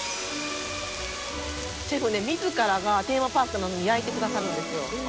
「シェフ自らがテーマパークなのに焼いてくださるんですよ」